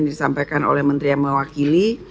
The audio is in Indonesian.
disampaikan oleh menteri yang mewakili